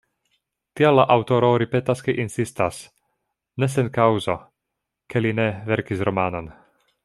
Tial la aŭtoro ripetas kaj insistas, ne sen kaŭzo, ke li ne verkis romanon.